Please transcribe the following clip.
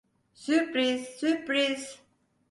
Sürpriz, sürpriz.